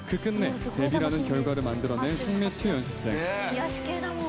癒やし系だもん。